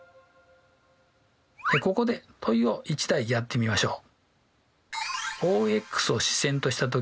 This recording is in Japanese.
ここで問いを１題やってみましょう。